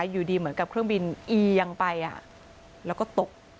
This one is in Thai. อยู่ดีเหมือนกับเครื่องบินเอียงไปแล้วก็ตก